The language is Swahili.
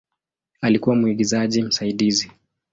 Alikuwa mwigizaji msaidizi.